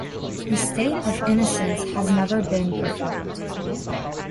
"The State of Innocence" has never been performed.